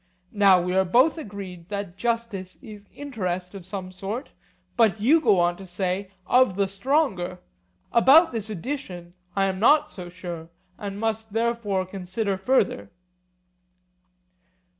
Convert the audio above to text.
Now we are both agreed that justice is interest of some sort, but you go on to say 'of the stronger'; about this addition I am not so sure, and must therefore consider further.